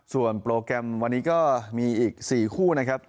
ส่วนโปรแกรมวันนี้ก็มีอีก๔คู่นะครับ